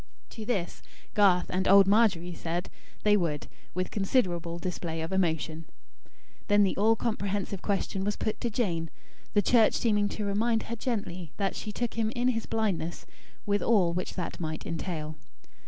To this, Garth, and old Margery, said they would; with considerable display of emotion. Then the all comprehensive question was put to Jane; the Church seeming to remind her gently, that she took him in his blindness, with all which that might entail.